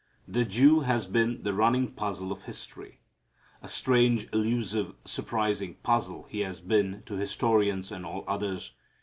The Jew has been the running puzzle of history. A strange, elusive, surprising puzzle he has been to historians and all others.